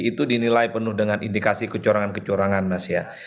itu dinilai penuh dengan indikasi kecurangan kecurangan mas ya